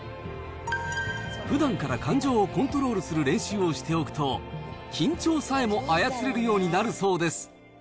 ふだんから感情をコントロールする練習をしておくと、緊張さえも操られるそうになるそうです。